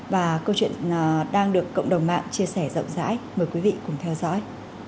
và câu chuyện đang được cộng đồng mạng chia sẻ rộng rãi mời quý vị cùng theo dõi